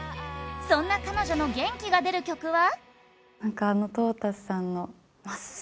そんな彼女の元気が出る曲は？